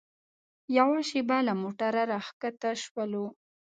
یوه شېبه له موټره راښکته شولو.